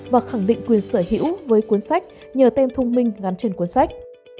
và khẳng định quyền sở hữu với cuốn sách nhờ tem thông minh gắn trên cuốn sách